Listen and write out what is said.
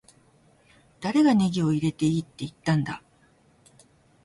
誰がネギを入れていいって言ったんだ